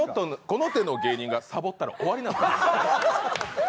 この手の芸人がサボったら終わりなんです。